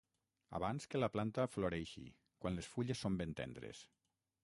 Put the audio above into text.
Abans que la planta floreixi, quan les fulles són ben tendres.